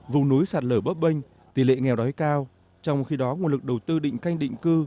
vùng núi sạt lở bấp bênh tỷ lệ nghèo đói cao trong khi đó nguồn lực đầu tư định canh định cư